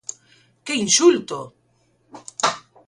¡Que insulto!